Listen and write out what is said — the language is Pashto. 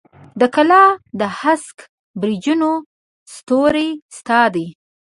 د کلا د هسک برجونو ستوري ستا دي